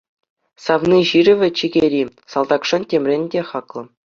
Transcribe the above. Савни ҫырӑвӗ чикӗри салтакшӑн темрен те хаклӑ.